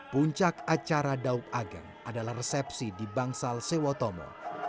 puncak acara daup ageng adalah resepsi di bangsal sewotomo